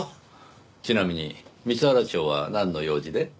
ちなみに光原町はなんの用事で？